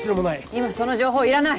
今その情報いらない。